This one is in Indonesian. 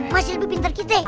masih lebih pinter kita